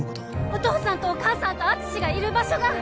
お父さんとお母さんと敦がいる場所が